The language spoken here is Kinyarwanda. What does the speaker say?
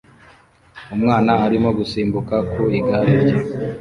Umwana arimo gusimbuka ku igare rye